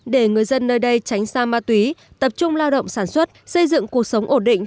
để người dân nơi đây tránh xa ma túy tập trung lao động sản xuất xây dựng cuộc sống ổn định